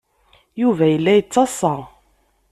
Yuba yella yettaḍsa.